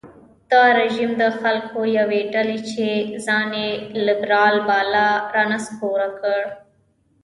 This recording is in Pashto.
دا رژیم د خلکو یوې ډلې چې ځان یې لېبرال باله رانسکور کړ.